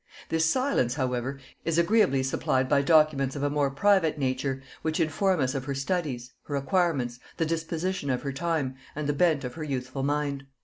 This silence, however, is agreeably supplied by documents of a more private nature, which inform us of her studies, her acquirements, the disposition of her time, and the bent of her youthful mind.